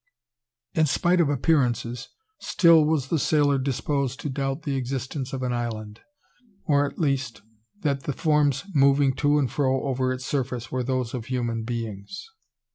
In spite of appearances, still was the sailor disposed to doubt the existence of an island; or, at least, that the forms moving to and fro over its surface were those of human beings.